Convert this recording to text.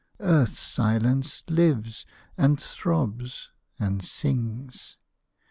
Earth's silence lives, and throbs, and sings.